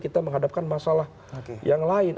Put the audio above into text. kita menghadapkan masalah yang lain